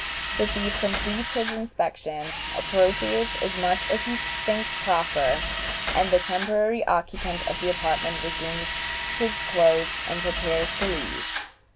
The thief completes his inspection, appropriates as much as he thinks proper, and the temporary occupant of the apartment resumes his clothes and prepares to leave.